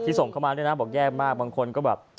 ส่งเข้ามาด้วยนะบอกแย่มากบางคนก็แบบ